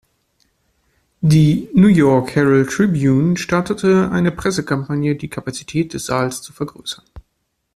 Die "New York Harald Tribune" startete eine Pressekampagne, die Kapazität des Saals zu vergrößern.